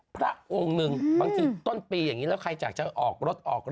พระองค์หนึ่งต้นปีอีกอย่างนี้ใครจะออกรถ